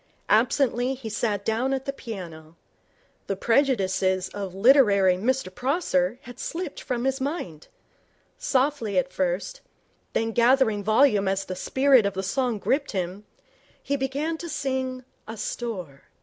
Absently, he sat down at the piano. The prejudices of literary Mr Prosser had slipped from his mind. Softly at first, then gathering volume as the spirit of the song gripped him, he began to sing 'Asthore'.